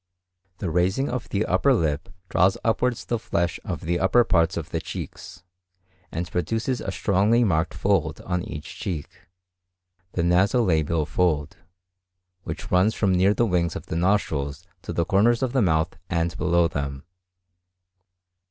The raising of the upper lip draws upwards the flesh of the upper parts of the cheeks, and produces a strongly marked fold on each cheek,—the naso labial fold,—which runs from near the wings of the nostrils to the corners of the mouth and below them.